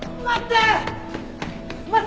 待って！